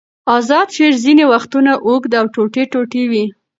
آزاد شعر ځینې وختونه اوږد او ټوټې ټوټې وي.